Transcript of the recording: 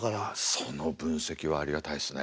その分析はありがたいっすね。